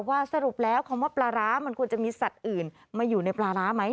สรุปแล้วคำว่าปลาร้ามันควรจะมีสัตว์อื่นมาอยู่ในปลาร้าไหม